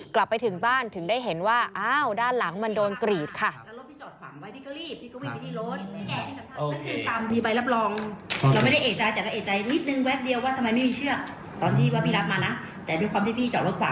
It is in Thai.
กลับไปถึงบ้านถึงได้เห็นว่าอ้าวด้านหลังมันโดนกรีดค่ะ